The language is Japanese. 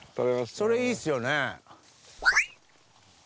それいいですよね。